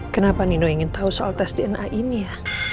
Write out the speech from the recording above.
kenapa nino ingin tahu soal tes dna ini ya